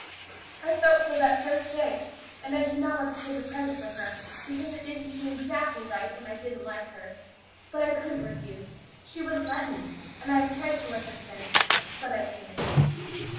I felt so that very first day, and I did not want to take a present from her, because it didn't seem exactly right when I didn't like her, but I couldn't refuse she wouldn't let me and I have tried to like her since, but I can't."